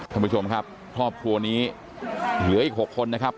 ท่านผู้ชมครับครอบครัวนี้เหลืออีก๖คนนะครับ